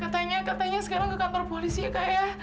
kak katanya sekarang kekantor polisi kak